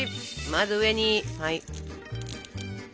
まず上に。